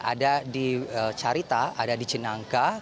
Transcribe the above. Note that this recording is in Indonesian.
ada di carita ada di cinangka